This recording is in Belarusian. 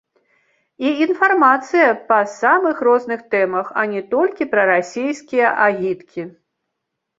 І інфармацыя па самых розных тэмах, а не толькі прарасійскія агіткі.